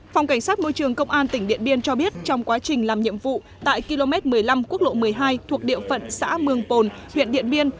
phòng cảnh sát môi trường công an tỉnh điện biên cho biết trong quá trình làm nhiệm vụ tại km một mươi năm quốc lộ một mươi hai thuộc địa phận xã mương pồn huyện điện biên